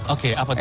oke apa itu pak